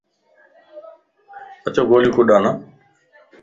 اچو گوليو ڪڏا ن